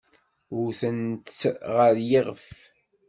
Wtent-tt ɣer yiɣef.